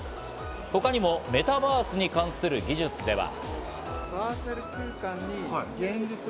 他にもメタバースに関する技術では。